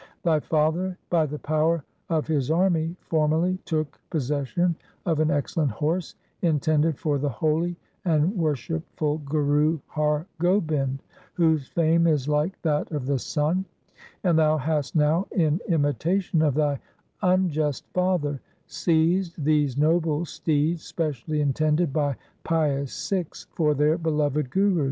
Thy father, by the power of his army, formerly took pos session of an excellent horse intended for the holy and worshipful Guru Har Gobind, whose fame is like that of the sun, and thou hast now in imitation of thy unjust father seized these noble steeds specially intended by pious Sikhs for their beloved Guru.